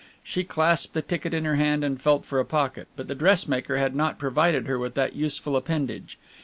She clasped the ticket in her hand and felt for a pocket, but the dressmaker had not provided her with that useful appendage.